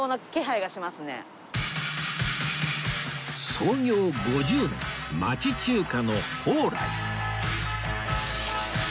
創業５０年町中華の宝来